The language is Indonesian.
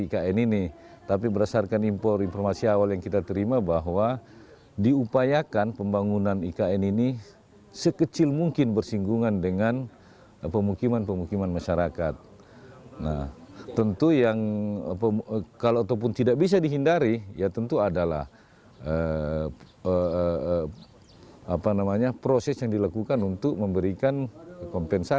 kepala masyarakat adat suku pasar balik sibukdin menerima penghargaan dari kepala masyarakat adat suku pasar balik sibukdin